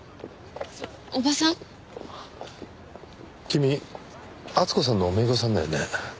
君厚子さんの姪御さんだよね。